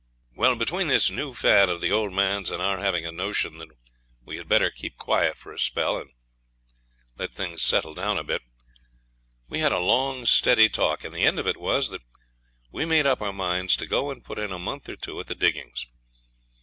Well, between this new fad of the old man's and our having a notion that we had better keep quiet for a spell and let things settle down a bit, we had a long steady talk, and the end of it was that we made up our minds to go and put in a month or two at the diggings.